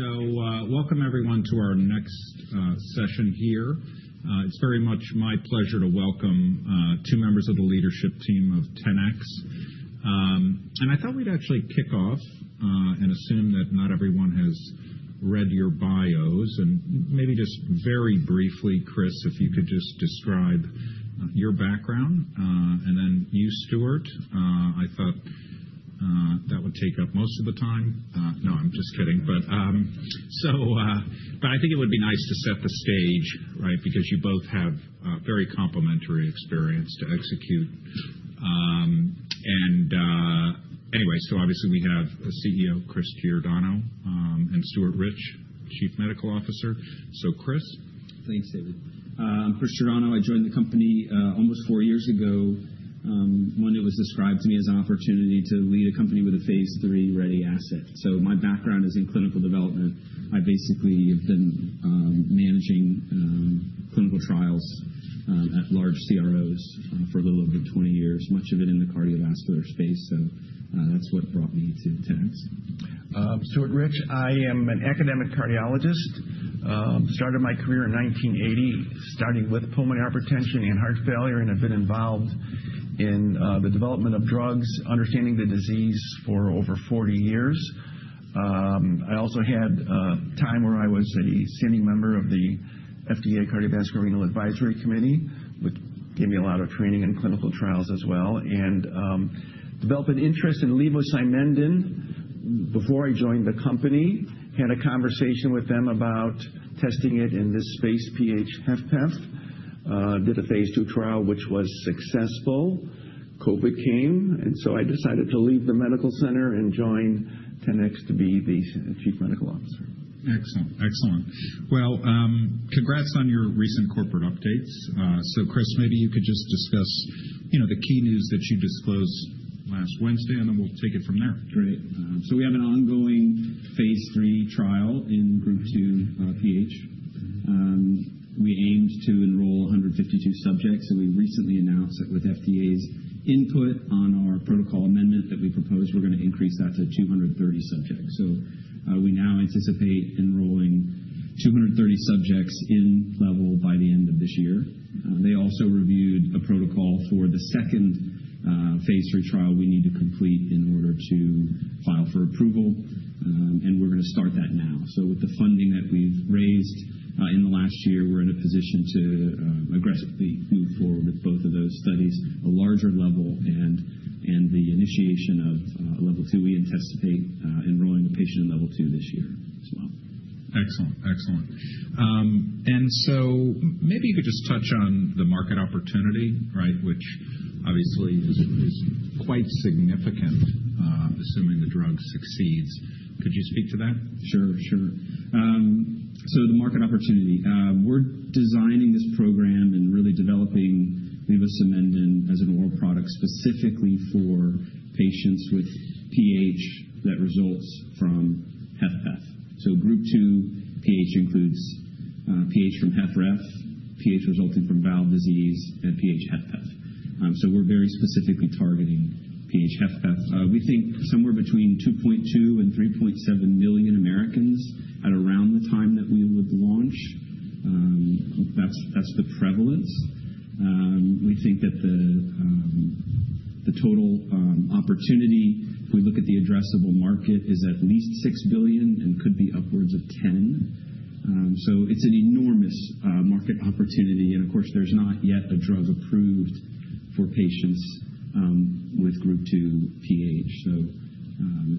Welcome everyone to our next session here. It's very much my pleasure to welcome two members of the leadership team of Tenax. I thought we'd actually kick off and assume that not everyone has read your bios. Maybe just very briefly, Chris, if you could just describe your background. Then you, Stuart, I thought that would take up most of the time. No, I'm just kidding. I think it would be nice to set the stage, right, because you both have very complimentary experience to execute. Anyway, obviously we have CEO Chris Giordano and Stuart Rich, Chief Medical Officer. Chris. Thanks, David. I'm Chris Giordano. I joined the company almost four years ago when it was described to me as an opportunity to lead a company with a phase three ready asset. My background is in clinical development. I basically have been managing clinical trials at large CROs for a little over 20 years, much of it in the cardiovascular space. That's what brought me to Tenax. I am an academic cardiologist. Started my career in 1980, starting with pulmonary hypertension and heart failure, and have been involved in the development of drugs, understanding the disease for over 40 years. I also had a time where I was a standing member of the FDA Cardiovascular Renal Advisory Committee, which gave me a lot of training in clinical trials as well. Developed an interest in levosimendan before I joined the company, had a conversation with them about testing it in this space, PH-HFpEF. Did a phase II trial, which was successful. COVID came, and I decided to leave the medical center and join Tenax to be the Chief Medical Officer. Excellent. Excellent. Well, congrats on your recent corporate updates. Chris, maybe you could just discuss the key news that you disclosed last Wednesday, and then we'll take it from there. Great. We have an ongoing phase three trial in group 2 PH. We aimed to enroll 152 subjects, and we recently announced that with FDA's input on our protocol amendment that we proposed, we're going to increase that to 230 subjects. We now anticipate enrolling 230 subjects in LEVEL by the end of this year. They also reviewed a protocol for the second phase three trial we need to complete in order to file for approval, and we're going to start that now. With the funding that we've raised in the last year, we're in a position to aggressively move forward with both of those studies, a larger LEVEL and the initiation of LEVEL-2. We anticipate enrolling a patient in LEVEL-2 this year as well. Excellent. Excellent. Maybe you could just touch on the market opportunity, right, which obviously is quite significant assuming the drug succeeds. Could you speak to that? Sure. Sure. The market opportunity, we're designing this program and really developing levosimendan as an oral product specifically for patients with PH that results from HFpEF. Group 2 PH includes PH from HFrEF, PH resulting from valve disease, and PH-HFpEF. We're very specifically targeting PH HFpEF. We think somewhere between 2.2 and 3.7 million Americans at around the time that we would launch. That's the prevalence. We think that the total opportunity, if we look at the addressable market, is at least $6 billion and could be upwards of $10 billion. It's an enormous market opportunity. Of course, there's not yet a drug approved for patients with Group 2 PH.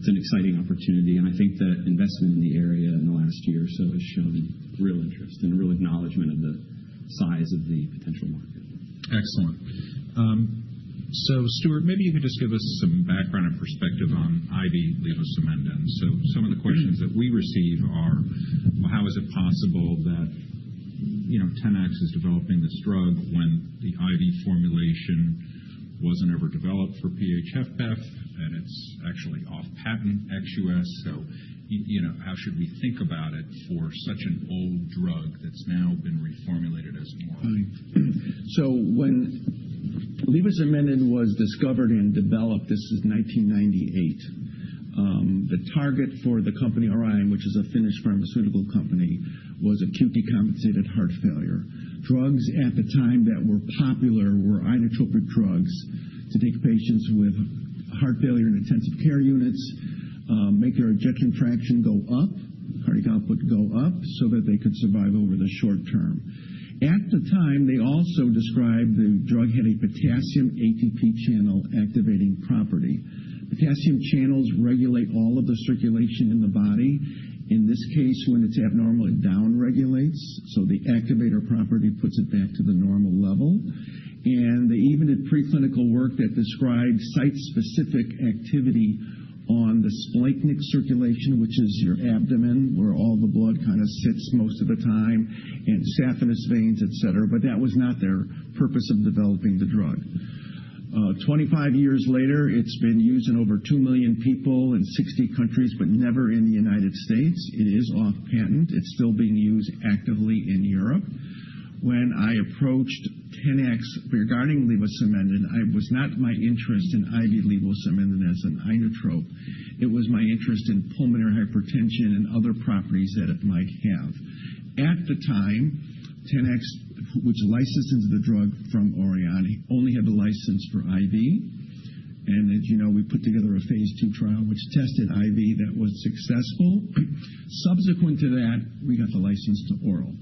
It's an exciting opportunity. I think the investment in the area in the last year or so has shown real interest and a real acknowledgment of the size of the potential market. Excellent. Stuart, maybe you could just give us some background and perspective on IV levosimendan. Some of the questions that we receive are, well, how is it possible that Tenax is developing this drug when the IV formulation was not ever developed for PH-HFpEF and it is actually off patent ex-U.S.? How should we think about it for such an old drug that is now been reformulated as an oral? When levosimendan was discovered and developed, this is 1998, the target for the company Orion, which is a Finnish pharmaceutical company, was acutely compensated heart failure. Drugs at the time that were popular were inotropic drugs to take patients with heart failure in intensive care units, make their ejection fraction go up, cardiac output go up so that they could survive over the short term. At the time, they also described the drug had a potassium ATP channel activating property. Potassium channels regulate all of the circulation in the body. In this case, when it's abnormal, it downregulates. The activator property puts it back to the normal level. They even did preclinical work that described site-specific activity on the splanchnic circulation, which is your abdomen where all the blood kind of sits most of the time, and saphenous veins, et cetera. That was not their purpose of developing the drug. Twenty-five years later, it's been used in over 2 million people in 60 countries, but never in the United States. It is off patent. It's still being used actively in Europe. When I approached Tenax regarding levosimendan, it was not my interest in IV levosimendan as an inotrope. It was my interest in pulmonary hypertension and other properties that it might have. At the time, Tenax, which licensed the drug from Orion, only had the license for IV. As you know, we put together a phase two trial which tested IV that was successful. Subsequent to that, we got the license to oral.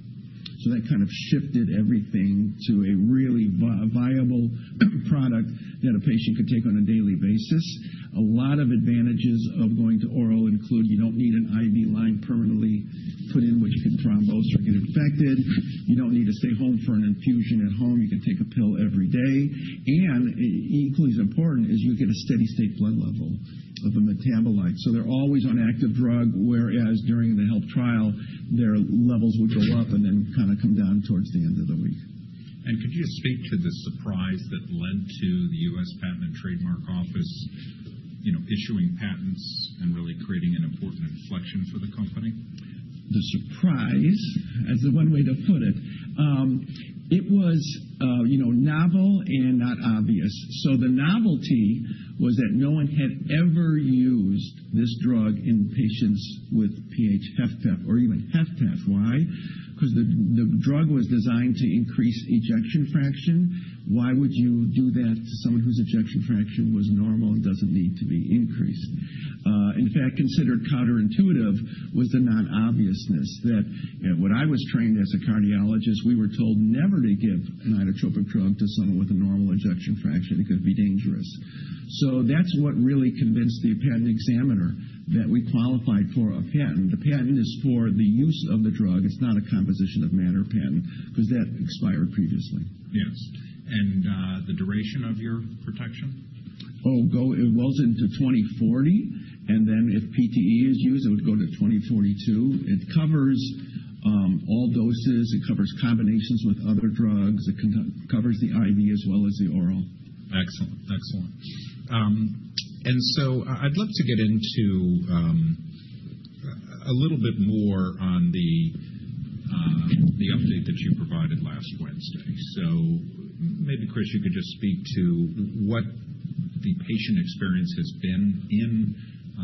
That kind of shifted everything to a really viable product that a patient could take on a daily basis. A lot of advantages of going to oral include you don't need an IV line permanently put in, which can thrombose or get infected. You don't need to stay home for an infusion at home. You can take a pill every day. Equally as important is you get a steady-state blood level of a metabolite. They're always on active drug, whereas during the HELP trial, their levels would go up and then kind of come down towards the end of the week. Could you speak to the surprise that led to the U.S. Patent and Trademark Office issuing patents and really creating an important inflection for the company? The surprise, that's the one way to put it. It was novel and not obvious. The novelty was that no one had ever used this drug in patients with PH-HFpEF or even HFpEF. Why? Because the drug was designed to increase ejection fraction. Why would you do that to someone whose ejection fraction was normal and does not need to be increased? In fact, considered counterintuitive was the non-obviousness that when I was trained as a cardiologist, we were told never to give an inotropic drug to someone with a normal ejection fraction. It could be dangerous. That is what really convinced the patent examiner that we qualified for a patent. The patent is for the use of the drug. It is not a composition of matter patent because that expired previously. Yes. The duration of your protection? Oh, it goes into 2040. If PTE is used, it would go to 2042. It covers all doses. It covers combinations with other drugs. It covers the IV as well as the oral. Excellent. Excellent. I would love to get into a little bit more on the update that you provided last Wednesday. Maybe, Chris, you could just speak to what the patient experience has been in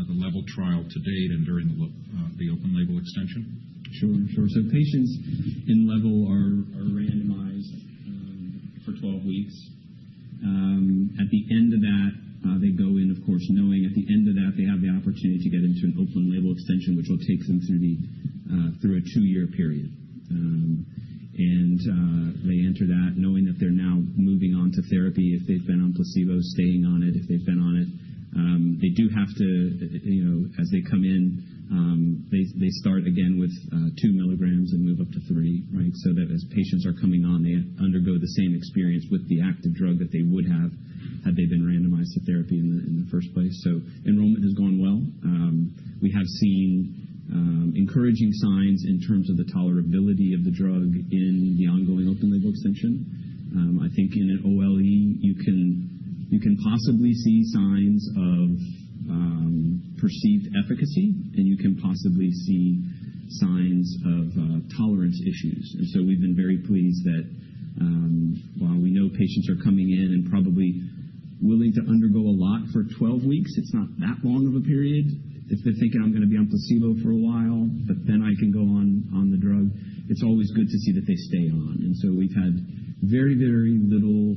the LEVEL trial to date and during the open label extension? Sure. Sure. Patients in LEVEL are randomized for 12 weeks. At the end of that, they go in, of course, knowing at the end of that, they have the opportunity to get into an open label extension, which will take them through a two-year period. They enter that knowing that they're now moving on to therapy if they've been on placebo, staying on it if they've been on it. They do have to, as they come in, start again with 2 milligrams and move up to 3, right? That way, as patients are coming on, they undergo the same experience with the active drug that they would have had if they had been randomized to therapy in the first place. Enrollment has gone well. We have seen encouraging signs in terms of the tolerability of the drug in the ongoing open label extension. I think in an OLE, you can possibly see signs of perceived efficacy, and you can possibly see signs of tolerance issues. We have been very pleased that while we know patients are coming in and probably willing to undergo a lot for 12 weeks, it's not that long of a period. If they're thinking, "I'm going to be on placebo for a while, but then I can go on the drug," it's always good to see that they stay on. We have had very, very little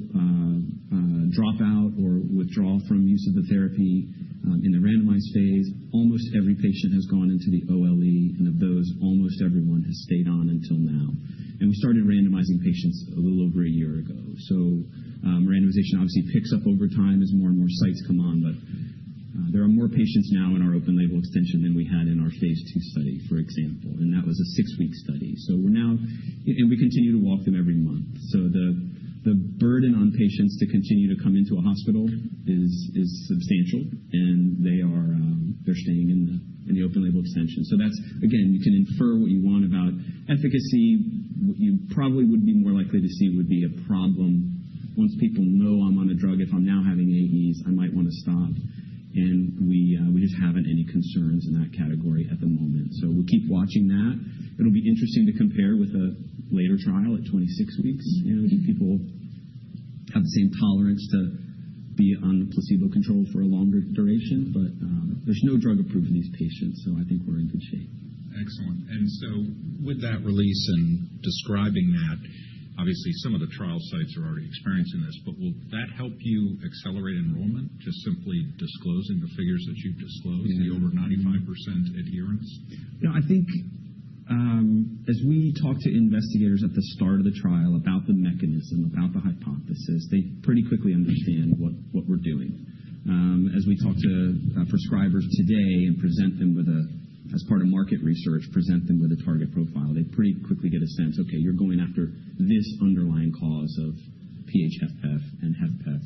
dropout or withdrawal from use of the therapy in the randomized phase. Almost every patient has gone into the OLE, and of those, almost everyone has stayed on until now. We started randomizing patients a little over a year ago. Randomization obviously picks up over time as more and more sites come on, but there are more patients now in our open label extension than we had in our phase two study, for example. That was a six-week study. We are now, and we continue to walk them every month. The burden on patients to continue to come into a hospital is substantial, and they are staying in the open label extension. That is, again, you can infer what you want about efficacy. What you probably would be more likely to see would be a problem once people know, "I'm on a drug. If I'm now having AEs, I might want to stop." We just have not had any concerns in that category at the moment. We will keep watching that. It will be interesting to compare with a later trial at 26 weeks. Do people have the same tolerance to be on the placebo control for a longer duration? There is no drug approved in these patients, so I think we're in good shape. Excellent. With that release and describing that, obviously some of the trial sites are already experiencing this, but will that help you accelerate enrollment just simply disclosing the figures that you've disclosed, the over 95% adherence? Yeah. I think as we talk to investigators at the start of the trial about the mechanism, about the hypothesis, they pretty quickly understand what we're doing. As we talk to prescribers today and present them with a, as part of market research, present them with a target profile, they pretty quickly get a sense, "Okay, you're going after this underlying cause of PH-HFpEF and HFpEF."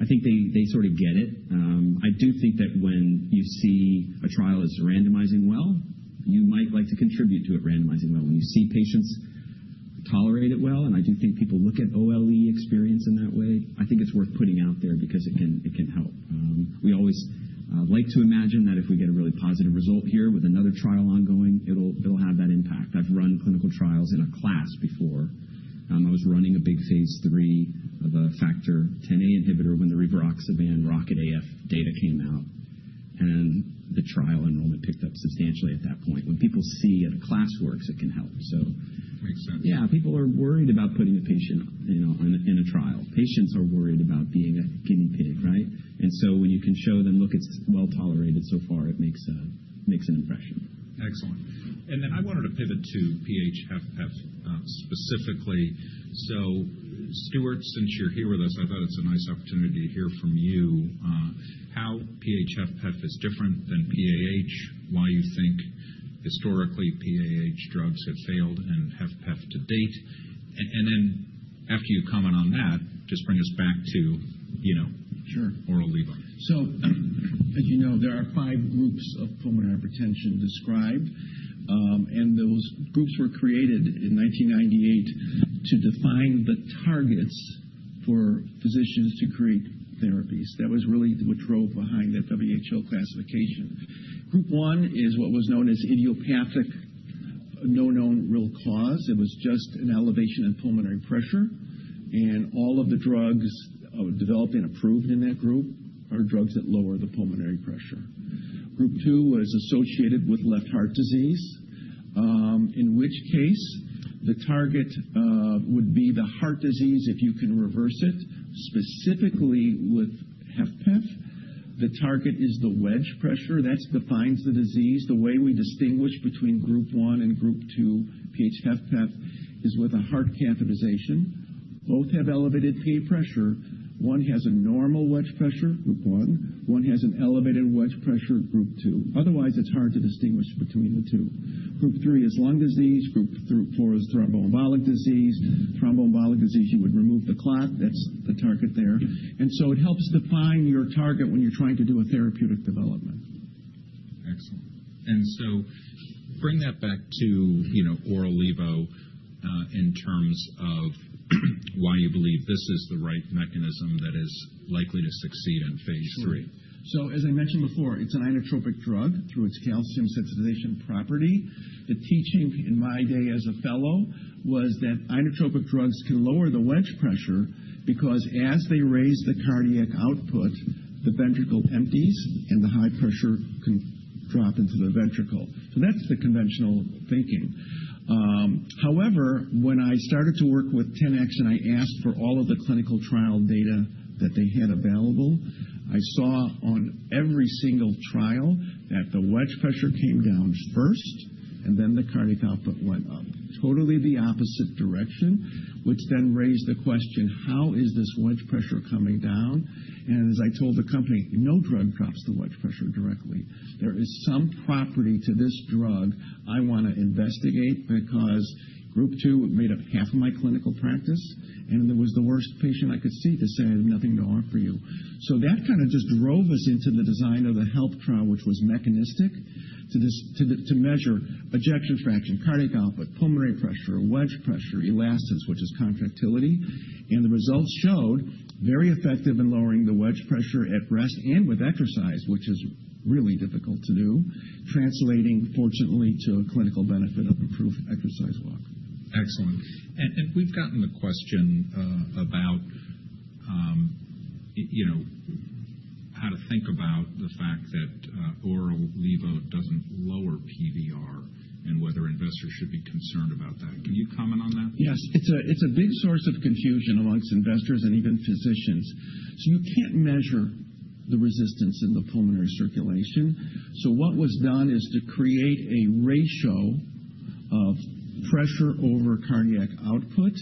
I think they sort of get it. I do think that when you see a trial is randomizing well, you might like to contribute to it randomizing well. When you see patients tolerate it well, and I do think people look at OLE experience in that way, I think it's worth putting out there because it can help. We always like to imagine that if we get a really positive result here with another trial ongoing, it'll have that impact. I've run clinical trials in a class before. I was running a big phase three of a Factor Xa inhibitor when the rivaroxaban ROCKET AF data came out, and the trial enrollment picked up substantially at that point. When people see that a class works, it can help. Makes sense. Yeah. People are worried about putting a patient in a trial. Patients are worried about being a guinea pig, right? When you can show them, "Look, it's well tolerated so far," it makes an impression. Excellent. I wanted to pivot to PH-HFpEF specifically. Stuart, since you're here with us, I thought it's a nice opportunity to hear from you how PH-HFpEF is different than PAH, why you think historically PAH drugs have failed in HFpEF to date. After you comment on that, just bring us back to oral level. Sure. As you know, there are five groups of pulmonary hypertension described, and those groups were created in 1998 to define the targets for physicians to create therapies. That was really what drove behind that WHO classification. Group 1 is what was known as idiopathic, no known real cause. It was just an elevation in pulmonary pressure. All of the drugs developed and approved in that group are drugs that lower the pulmonary pressure. Group 2 was associated with left heart disease, in which case the target would be the heart disease if you can reverse it. Specifically with HFpEF, the target is the wedge pressure. That defines the disease. The way we distinguish between Group 1 and Group 2, PH HFpEF, is with a heart catheterization. Both have elevated PH pressure. One has a normal wedge pressure, Group 1. One has an elevated wedge pressure, Group 2. Otherwise, it's hard to distinguish between the two. Group 3 is lung disease. Group 4 is thromboembolic disease. Thromboembolic disease, you would remove the clot. That's the target there. It helps define your target when you're trying to do a therapeutic development. Excellent. Bring that back to oral levo in terms of why you believe this is the right mechanism that is likely to succeed in phase three. Sure. As I mentioned before, it's an inotropic drug through its calcium sensitization property. The teaching in my day as a fellow was that inotropic drugs can lower the wedge pressure because as they raise the cardiac output, the ventricle empties and the high pressure can drop into the ventricle. That is the conventional thinking. However, when I started to work with Tenax and I asked for all of the clinical trial data that they had available, I saw on every single trial that the wedge pressure came down first and then the cardiac output went up. Totally the opposite direction, which then raised the question, "How is this wedge pressure coming down?" As I told the company, "No drug drops the wedge pressure directly. There is some property to this drug I want to investigate because Group 2 made up half of my clinical practice, and it was the worst patient I could see to say I have nothing to offer you. That kind of just drove us into the design of the HELP trial, which was mechanistic to measure ejection fraction, cardiac output, pulmonary pressure, wedge pressure, elastance, which is contractility. The results showed very effective in lowering the wedge pressure at rest and with exercise, which is really difficult to do, translating fortunately to a clinical benefit of improved exercise walk. Excellent. We have gotten the question about how to think about the fact that oral levo does not lower PVR and whether investors should be concerned about that. Can you comment on that? Yes. It's a big source of confusion amongst investors and even physicians. You can't measure the resistance in the pulmonary circulation. What was done is to create a ratio of pressure over cardiac output,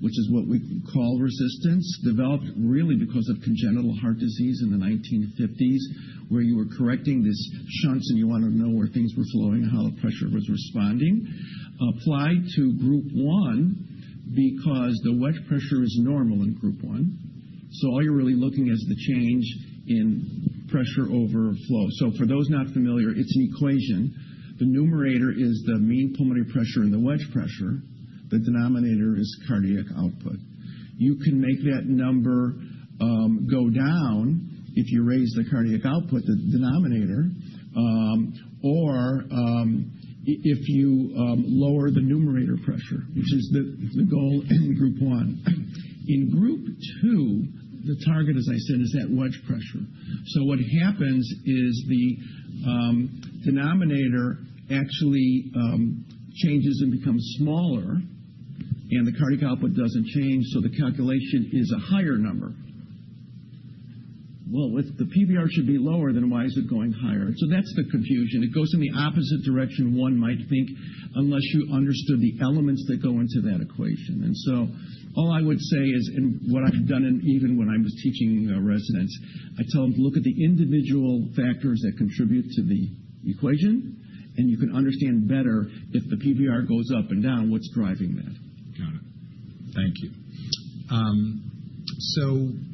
which is what we call resistance, developed really because of congenital heart disease in the 1950s, where you were correcting these shunts and you wanted to know where things were flowing and how the pressure was responding. Applied to group 1 because the wedge pressure is normal in Group 1. All you're really looking at is the change in pressure over flow. For those not familiar, it's an equation. The numerator is the mean pulmonary pressure and the wedge pressure. The denominator is cardiac output. You can make that number go down if you raise the cardiac output, the denominator, or if you lower the numerator pressure, which is the goal in Group 1. In Group 2, the target, as I said, is that wedge pressure. What happens is the denominator actually changes and becomes smaller, and the cardiac output doesn't change, so the calculation is a higher number. If the PVR should be lower, then why is it going higher? That is the confusion. It goes in the opposite direction one might think unless you understood the elements that go into that equation. All I would say is, and what I've done even when I was teaching residents, I tell them, "Look at the individual factors that contribute to the equation, and you can understand better if the PVR goes up and down what's driving that. Got it. Thank you.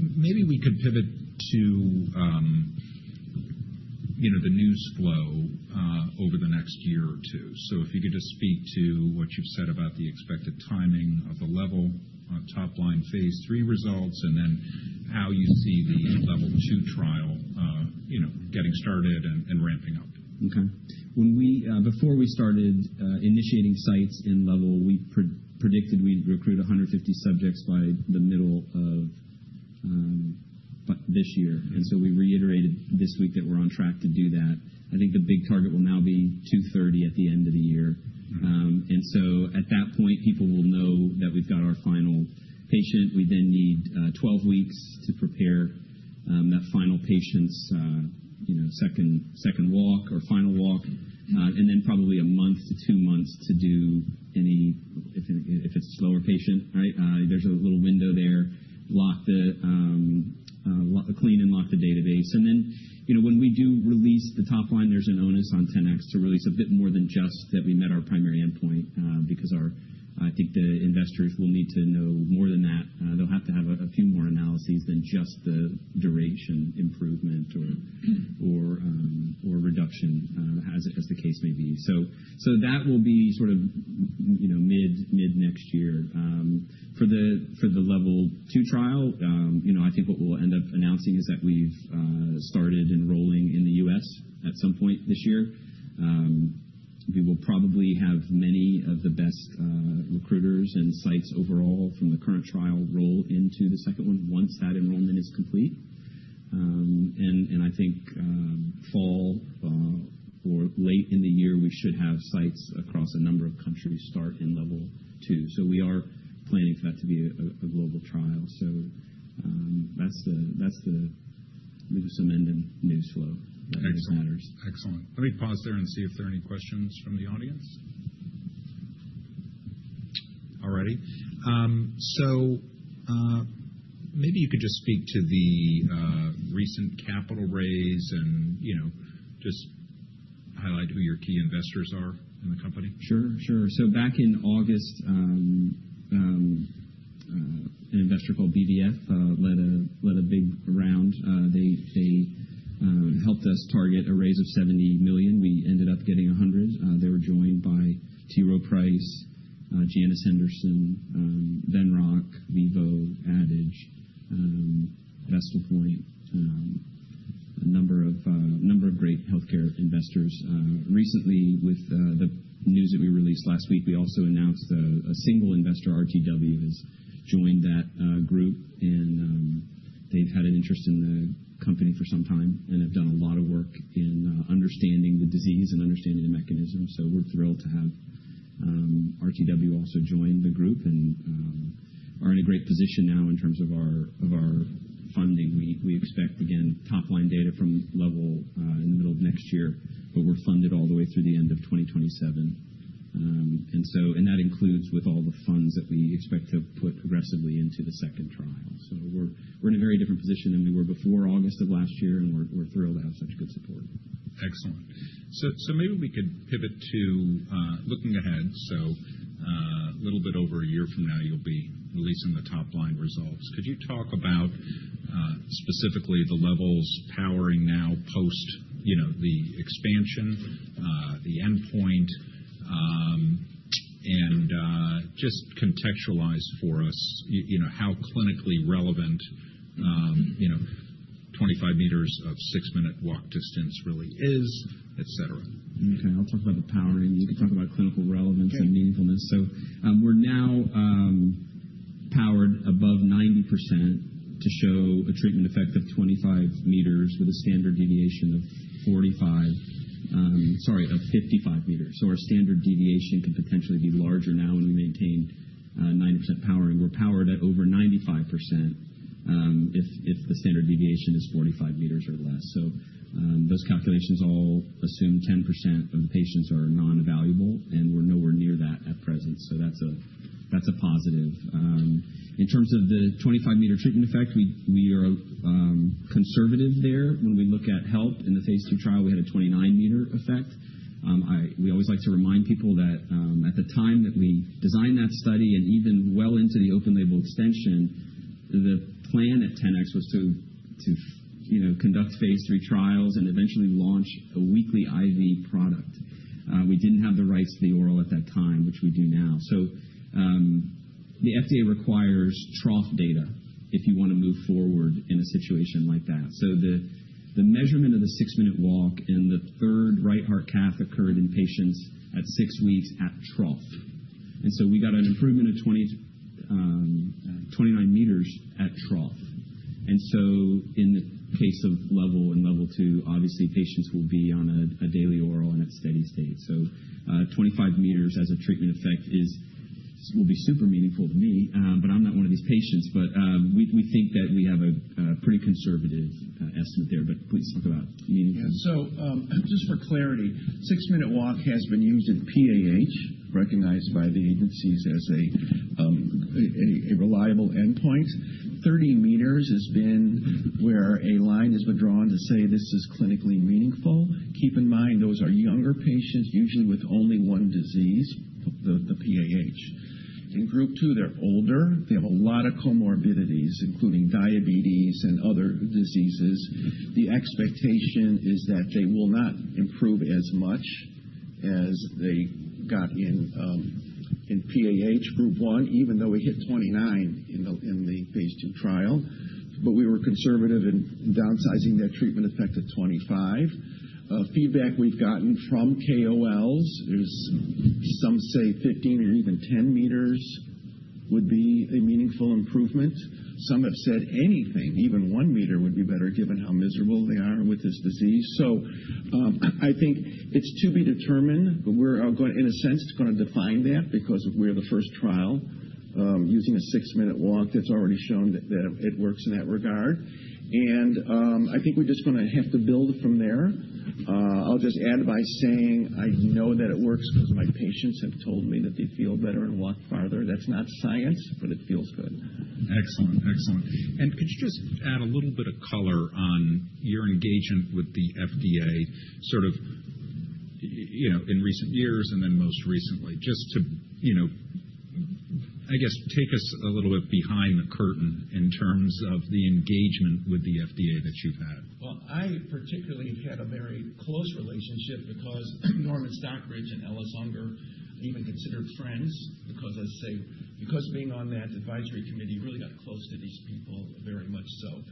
Maybe we could pivot to the news flow over the next year or two. If you could just speak to what you've said about the expected timing of the LEVEL top line phase three results and then how you see the LEVEL-2 trial getting started and ramping up. Okay. Before we started initiating sites in LEVEL, we predicted we'd recruit 150 subjects by the middle of this year. We reiterated this week that we're on track to do that. I think the big target will now be 230 at the end of the year. At that point, people will know that we've got our final patient. We then need 12 weeks to prepare that final patient's second walk or final walk, and then probably a month to two months to do any if it's a slower patient, right? There's a little window there. Clean and lock the database. When we do release the top line, there's an onus on Tenax to release a bit more than just that we met our primary endpoint because I think the investors will need to know more than that. They'll have to have a few more analyses than just the duration improvement or reduction as the case may be. That will be sort of mid next year. For the LEVEL-2 trial, I think what we'll end up announcing is that we've started enrolling in the U.S. at some point this year. We will probably have many of the best recruiters and sites overall from the current trial roll into the second one once that enrollment is complete. I think fall or late in the year, we should have sites across a number of countries start in LEVEL-2. We are planning for that to be a global trial. That's the neneedle-moving news flow that matters. Excellent. Let me pause there and see if there are any questions from the audience. All righty. Maybe you could just speak to the recent capital raise and just highlight who your key investors are in the company. Sure. Sure. Back in August, an investor called BVF led a big round. They helped us target a raise of $70 million. We ended up getting $100 million. They were joined by T. Rowe Price, Janus Henderson, Venrock, Vivo, Adage, Vestal Point, a number of great healthcare investors. Recently, with the news that we released last week, we also announced a single investor, RTW, has joined that group, and they've had an interest in the company for some time and have done a lot of work in understanding the disease and understanding the mechanism. We are thrilled to have RTW also join the group and are in a great position now in terms of our funding. We expect, again, top line data from LEVEL in the middle of next year, but we're funded all the way through the end of 2027. That includes with all the funds that we expect to put progressively into the second trial. We are in a very different position than we were before August of last year, and we are thrilled to have such good support. Excellent. Maybe we could pivot to looking ahead. A little bit over a year from now, you'll be releasing the top line results. Could you talk about specifically the LEVEL's powering now post the expansion, the endpoint, and just contextualize for us how clinically relevant 25 meters of six-minute walk distance really is, etc.? Okay. I'll talk about the powering. You could talk about clinical relevance and meaningfulness. We are now powered above 90% to show a treatment effect of 25 m with a standard deviation of 45, sorry, of 55 m. Our standard deviation could potentially be larger now when we maintain 90% powering. We are powered at over 95% if the standard deviation is 45 m or less. Those calculations all assume 10% of the patients are non-available, and we are nowhere near that at present. That is a positive. In terms of the 25 m treatment effect, we are conservative there. When we look at health in the phase two trial, we had a 29 m effect. We always like to remind people that at the time that we designed that study and even well into the open label extension, the plan at Tenax was to conduct phase three trials and eventually launch a weekly IV product. We didn't have the rights to the oral at that time, which we do now. The FDA requires trough data if you want to move forward in a situation like that. The measurement of the six-minute walk and the third right heart cath occurred in patients at six weeks at trough. We got an improvement of 29 m at trough. In the case of LEVEL and LEVEL-2, obviously patients will be on a daily oral and at steady state. 25 m as a treatment effect will be super meaningful to me, but I'm not one of these patients. We think that we have a pretty conservative estimate there. Please talk about meaningfulness. Yeah. So just for clarity, six-minute walk has been used in PAH, recognized by the agencies as a reliable endpoint. 30 m has been where a line has been drawn to say this is clinically meaningful. Keep in mind, those are younger patients, usually with only one disease, the PAH. In group two, they're older. They have a lot of comorbidities, including diabetes and other diseases. The expectation is that they will not improve as much as they got in PAH Group 1, even though we hit 29 in the phase II trial. We were conservative in downsizing their treatment effect to 25. Feedback we've gotten from KOLs is some say 15 m or even 10 m would be a meaningful improvement. Some have said anything, even one meter would be better given how miserable they are with this disease. I think it's to be determined, but we're in a sense going to define that because we're the first trial using a six-minute walk that's already shown that it works in that regard. I think we're just going to have to build from there. I'll just add by saying I know that it works because my patients have told me that they feel better and walk farther. That's not science, but it feels good. Excellent. Excellent. Could you just add a little bit of color on your engagement with the FDA sort of in recent years and then most recently? Just to, I guess, take us a little bit behind the curtain in terms of the engagement with the FDA that you've had. I particularly had a very close relationship because Norman Stockbridge and Ellis Unger even considered friends because, as I say, because being on that advisory committee, you really got close to these people very much so.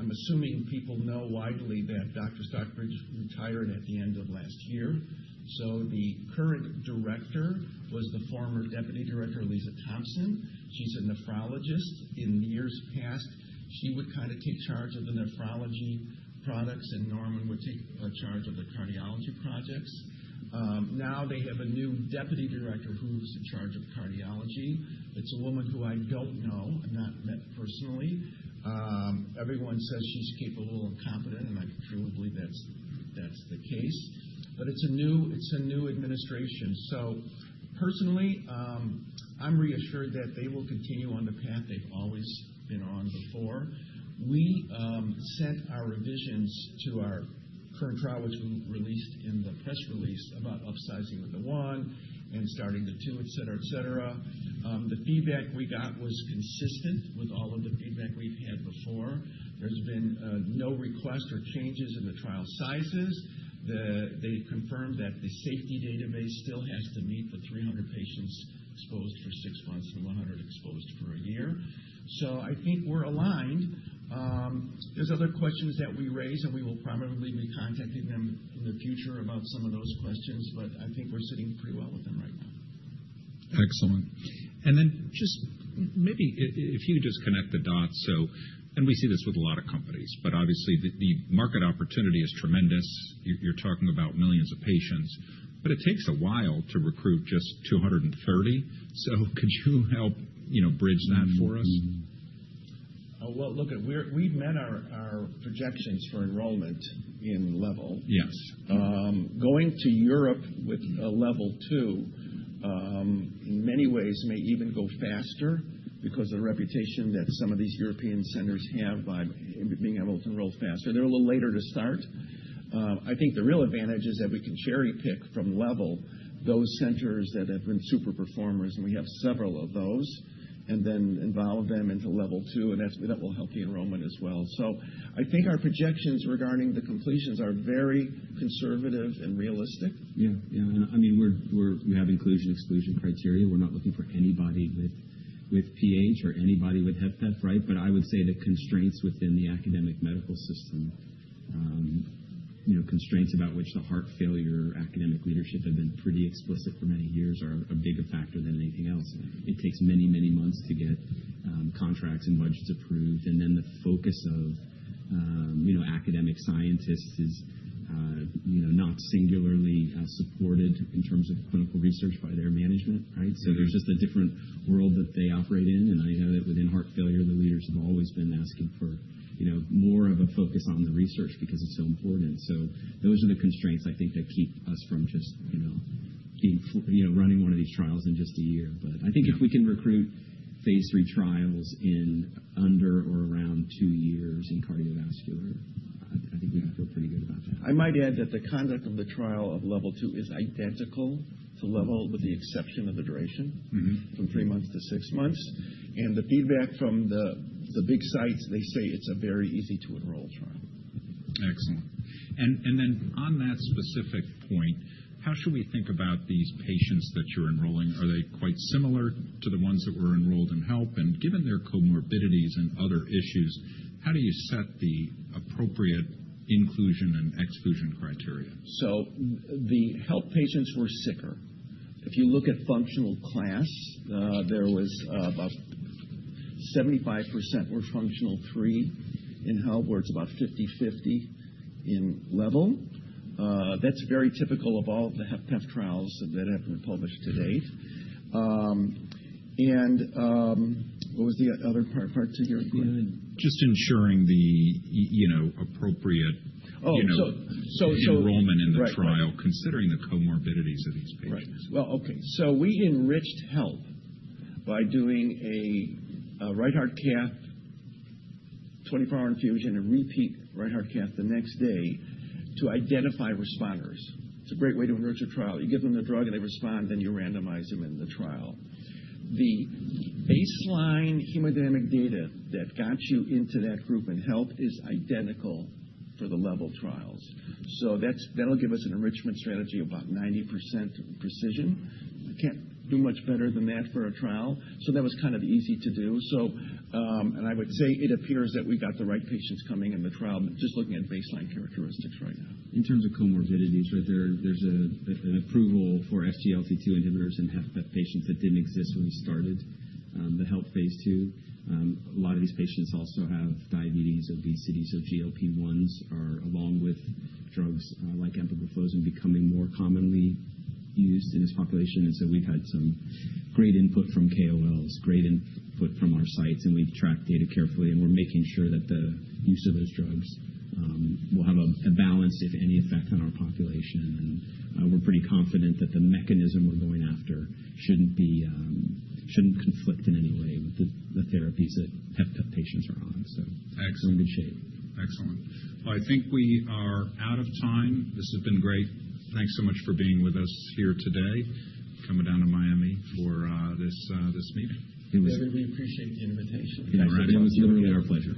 I'm assuming people know widely that Dr. Stockbridge retired at the end of last year. The current director was the former deputy director, Aliza Thompson. She's a nephrologist. In years past, she would kind of take charge of the nephrology products, and Norman would take charge of the cardiology projects. Now they have a new deputy director who's in charge of cardiology. It's a woman who I don't know. I've not met personally. Everyone says she's capable and competent, and I truly believe that's the case. It is a new administration. Personally, I'm reassured that they will continue on the path they've always been on before. We sent our revisions to our current trial, which we released in the press release about upsizing with the one and starting the two, etc., etc. The feedback we got was consistent with all of the feedback we've had before. There's been no request or changes in the trial sizes. They confirmed that the safety database still has to meet for 300 patients exposed for six months and 100 exposed for a year. I think we're aligned. There are other questions that we raise, and we will probably be contacting them in the future about some of those questions, but I think we're sitting pretty well with them right now. Excellent. Maybe if you could just connect the dots. We see this with a lot of companies, but obviously the market opportunity is tremendous. You're talking about millions of patients, but it takes a while to recruit just 230. Could you help bridge that for us? Look, we've met our projections for enrollment in LEVEL. Yes. Going to Europe with a LEVEL-2, in many ways, may even go faster because of the reputation that some of these European centers have by being able to enroll faster. They're a little later to start. I think the real advantage is that we can cherry-pick from LEVEL those centers that have been super performers, and we have several of those, and then involve them into LEVEL-2, and that will help the enrollment as well. I think our projections regarding the completions are very conservative and realistic. Yeah. Yeah. I mean, we have inclusion-exclusion criteria. We're not looking for anybody with PH or anybody with HFpEF, right? I would say the constraints within the academic medical system, constraints about which the heart failure academic leadership have been pretty explicit for many years, are a bigger factor than anything else. It takes many, many months to get contracts and budgets approved. The focus of academic scientists is not singularly supported in terms of clinical research by their management, right? There's just a different world that they operate in. I know that within heart failure, the leaders have always been asking for more of a focus on the research because it's so important. Those are the constraints, I think, that keep us from just running one of these trials in just a year. I think if we can recruit phase three trials in under or around two years in cardiovascular, I think we can feel pretty good about that. I might add that the conduct of the trial of LEVEL-2 is identical to LEVEL with the exception of the duration from three months to six months. The feedback from the big sites, they say it's a very easy-to-enroll trial. Excellent. On that specific point, how should we think about these patients that you're enrolling? Are they quite similar to the ones that were enrolled in HELP? Given their comorbidities and other issues, how do you set the appropriate inclusion and exclusion criteria? The HELP patients were sicker. If you look at functional class, there was about 75% were functional three in HELP, where it's about 50/50 in LEVEL. That's very typical of all of the HFpEF trials that have been published to date. What was the other part to hear? Just ensuring the appropriate enrollment in the trial considering the comorbidities of these patients. Right. Okay. We enriched HELP by doing a right heart cath, 24-hour infusion, and repeat right heart cath the next day to identify responders. It's a great way to enrich a trial. You give them the drug, and they respond, then you randomize them in the trial. The baseline hemodynamic data that got you into that group in HELP is identical for the level trials. That will give us an enrichment strategy of about 90% precision. I can't do much better than that for a trial. That was kind of easy to do. I would say it appears that we got the right patients coming in the trial, just looking at baseline characteristics right now. In terms of comorbidities, right, there's an approval for SGLT2 inhibitors in HFpEF patients that didn't exist when we started the HELP phase two. A lot of these patients also have diabetes, obesity, so GLP-1s are along with drugs like empagliflozin becoming more commonly used in this population. We've had some great input from KOLs, great input from our sites, and we've tracked data carefully, and we're making sure that the use of those drugs will have a balance, if any, effect on our population. We're pretty confident that the mechanism we're going after shouldn't conflict in any way with the therapies that HFpEF patients are on. We're in good shape. Excellent. I think we are out of time. This has been great. Thanks so much for being with us here today, coming down to Miami for this meeting. It was great. We appreciate the invitation. Yes. It was literally our pleasure.